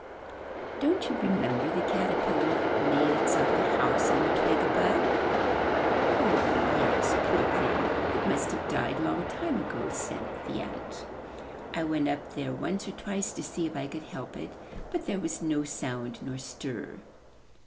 '* ''Don't you remember the caterpillar that made itself a house on the twig above?'* ''Oh yes, poor thing, it must have died long ago,*' said the ant. "I went up there once or twice to see if I could help it, but there was no sound nor stir.